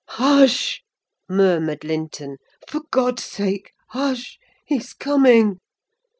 "Hush," murmured Linton; "for God's sake, hush! He's coming."